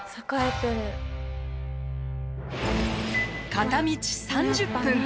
片道３０分。